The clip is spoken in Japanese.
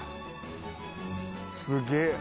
「すげえ」